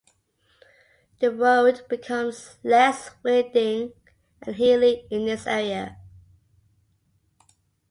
The road becomes less winding and hilly in this area.